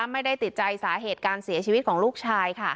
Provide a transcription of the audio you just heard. ไม่ได้ติดใจสาเหตุการเสียชีวิตของลูกชาย